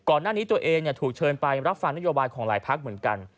อะไรก็ตัวนี้เฉินไปการรับฟังนโยบายของหลายภักษ์เหมือนกัน